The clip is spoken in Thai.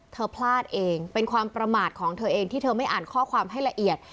พลาดเองเป็นความประมาทของเธอเองที่เธอไม่อ่านข้อความให้ละเอียด